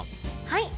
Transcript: はい！